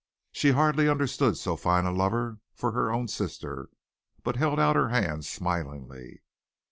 She hardly understood so fine a lover for her own sister, but held out her hand smilingly.